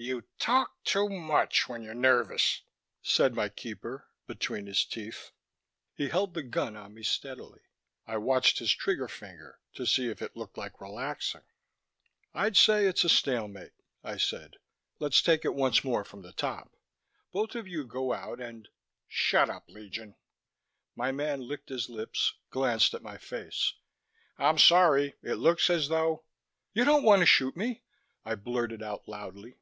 "You talk too much when you're nervous," said my keeper between his teeth. He held the gun on me steadily. I watched his trigger finger to see if it looked like relaxing. "I'd say it's a stalemate," I said. "Let's take it once more from the top. Both of you go out and " "Shut up, Legion." My man licked his lips, glanced at my face. "I'm sorry. It looks as though " "You don't want to shoot me," I blurted out loudly.